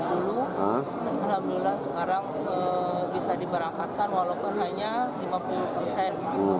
alhamdulillah sekarang bisa diberangkatkan walaupun hanya lima puluh persen